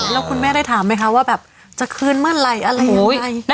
แล้วคุณแม่ได้ถามไหมคะว่าแบบจะคืนเมื่อไหร่อะไรอย่างนี้